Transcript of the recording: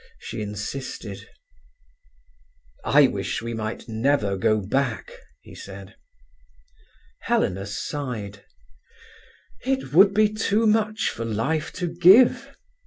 she insisted. "I wish we might never go back," he said. Helena sighed. "It would be too much for life to give.